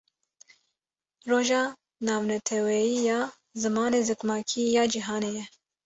Roja Navneteweyî ya Zimanê Zikmakî Ya Cîhanê ye.